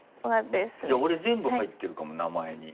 じゃあ俺全部入ってるかも名前に。